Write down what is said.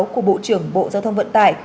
của bộ trưởng bộ giao thông vận tài